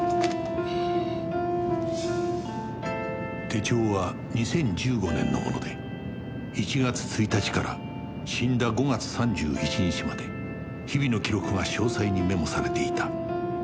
手帳は２０１５年のもので１月１日から死んだ５月３１日まで日々の記録が詳細にメモされていた